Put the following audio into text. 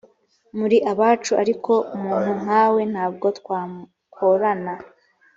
muri abacu ariko umuntu nkawe ntabwo twakorana